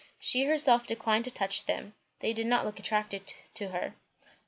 She herself declined to touch them; they did not look attractive to her.